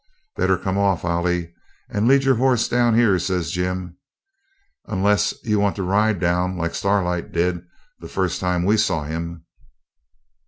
'Better come off, Ailie, and lead your horse down here,' says Jim, 'unless you want to ride down, like Starlight did, the first time we saw him.'